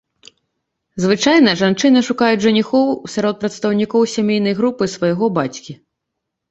Звычайна жанчыны шукаюць жаніхоў сярод прадстаўнікоў сямейнай групы свайго бацькі.